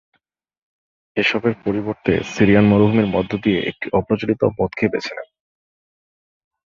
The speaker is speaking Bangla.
এসবের পরিবর্তে সিরিয়ান মরুভূমির মধ্য দিয়ে একটি অপ্রচলিত পথকে বেছে নেন।